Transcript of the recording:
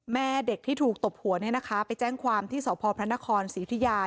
แม่เด็กที่ถูกตบหัวไปแจ้งความที่สพนครศิริยา